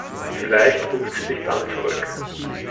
Vielleicht ruft sie dich dann zurück.